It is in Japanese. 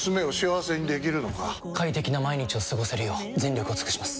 快適な毎日を過ごせるよう全力を尽くします！